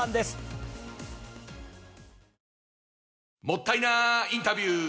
もったいなインタビュー！